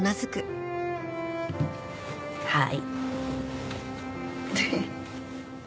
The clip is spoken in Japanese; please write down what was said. はい。